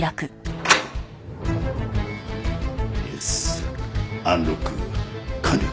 イエスアンロック完了。